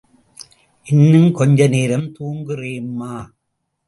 இன்னும் கொஞ்ச நேரம் தூங்குறேம்மா!